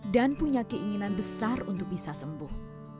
dan punya keinginan besar untuk bisa sembuh